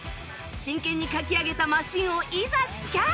真剣に描き上げたマシンをいざスキャン！